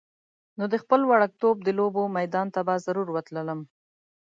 نو د خپل وړکتوب د لوبو میدان ته به ضرور ورتللم.